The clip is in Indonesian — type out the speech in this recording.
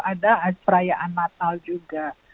ada perayaan natal juga